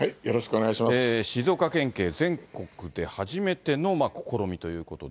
静岡県警、全国で初めての試みということで。